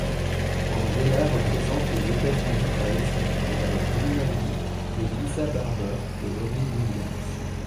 Angela représente les États-Unis à Helsinki avec Muna Lee, Me'Lisa Barber et Lauryn Williams.